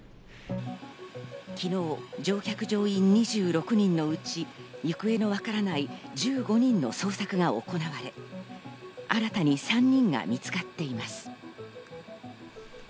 昨日、乗客・乗員２６人のうち、行方のわからない１５人の捜索が行われ、新たに３人が見つかっています。